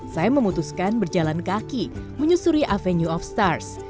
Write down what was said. saya memutuskan berjalan kaki menyusuri avenue of stars